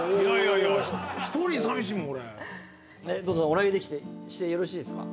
お願いしてよろしいですか？